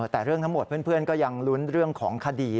แต่เรื่องทั้งหมดเพื่อนก็ยังลุ้นเรื่องของคดี